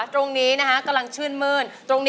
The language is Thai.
ตรงนี้ก้านชื่นเฟ่น